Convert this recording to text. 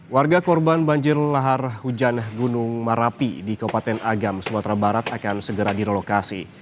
warga korban banjir lahar hujan gunung merapi di kabupaten agam sumatera barat akan segera direlokasi